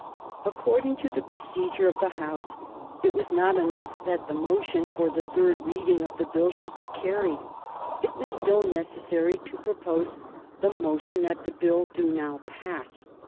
According to the procedure of the House, it was not enough that the motion for the third reading of the Bill should be carried. It was still necessary to propose the motion that the Bill do now pass.